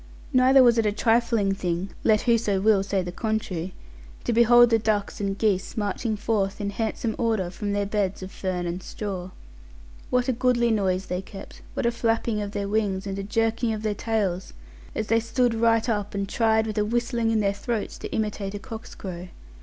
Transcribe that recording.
Neither was it a trifling thing, let whoso will say the contrary, to behold the ducks and geese marching forth in handsome order from their beds of fern and straw. What a goodly noise they kept, what a flapping of their wings, and a jerking of their tails, as they stood right up and tried with a whistling in their throats to imitate a cockscrow!